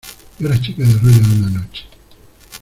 yo era chica de rollo de una noche.